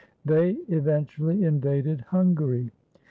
They eventually invaded Hungary.